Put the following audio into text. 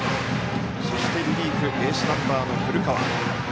そして、リリーフエースナンバーの古川。